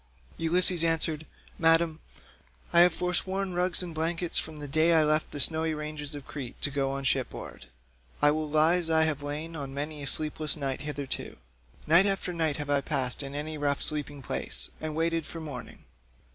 Ulysses answered, "Madam, I have foresworn rugs and blankets from the day that I left the snowy ranges of Crete to go on shipboard. I will lie as I have lain on many a sleepless night hitherto. Night after night have I passed in any rough sleeping place, and waited for morning.